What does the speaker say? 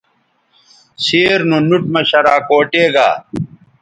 سیر نو نُوٹ مہ شراکوٹے گا